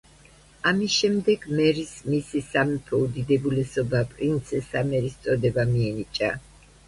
ამის შემდეგ მერის „მისი სამეფო უდიდებულესობა პრინცესა მერის“ წოდება მიენიჭა.